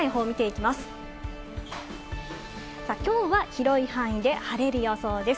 きょうは広い範囲で晴れる予想です。